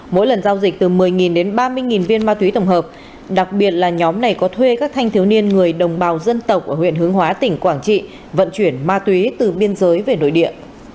mỗi lần giao dịch từ một mươi đến ba mươi viên ma túy tổng hợp đặc biệt là nhóm này có thuê các thanh thiếu niên người đồng bào dân tộc ở huyện hướng hóa tỉnh quảng trị vận chuyển ma túy từ biên giới về nội địa